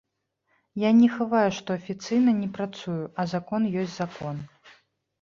Я не хаваю, што афіцыйна не працую, а закон ёсць закон.